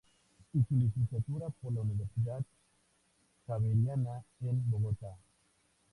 Y su licenciatura por la Universidad Javeriana, en Bogotá.